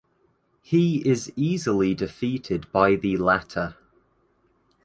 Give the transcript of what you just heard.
He is easily defeated by the latter.